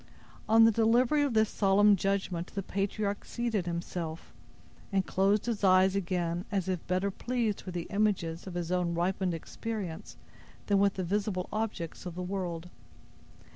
On the delivery of this solemn judgment, the patriarch seated himself, and closed his eyes again, as if better pleased with the images of his own ripened experience than with the visible objects of the world.